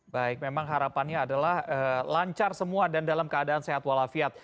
baik memang harapannya adalah lancar semua dan dalam keadaan sehat walafiat